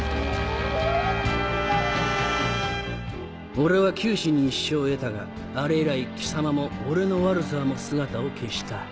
俺は九死に一生を得たがあれ以来貴様も俺のワルサーも姿を消した。